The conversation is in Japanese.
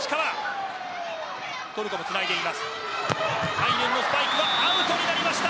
アイドゥンのスパイクはアウトになりました。